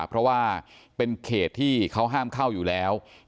เพราะว่าเป็นเขตที่เขาห้ามเข้าอยู่แล้ว